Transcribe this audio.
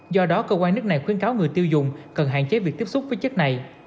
do đó cơ quan nước này khuyến cáo người tiêu dùng cần hạn chế việc tiếp xúc với chất này